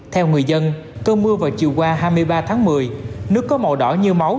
theo người dân cơn mưa vào chiều qua hai mươi ba tháng một mươi nước có màu đỏ như máu